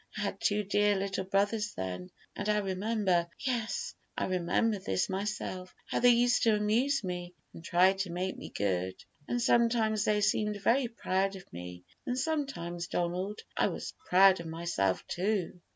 I had two dear little brothers then, and I remember yes, I remember this myself how they used to amuse me and try to make me good. And sometimes they seemed very proud of me, and sometimes, Donald, I was proud of myself, too.